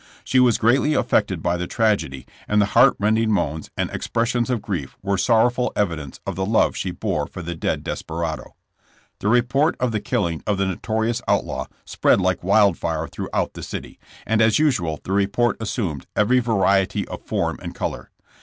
She was s rpfltlv affected by the tragedy, and the heart rending moans and ex pressions of grief were sorrowful evidence of the love she bore for the dead desperado. The report of the killing of the notorious out law spread like wildfire throughout the city, and as usual the report assumed every variety of form and color.